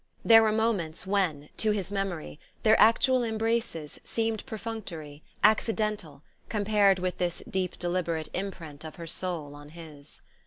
There were moments when, to his memory, their actual embraces seemed perfunctory, accidental, compared with this deep deliberate imprint of her soul on his.